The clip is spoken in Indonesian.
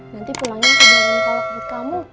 nanti pulangnya aku jual warung kolok buat kamu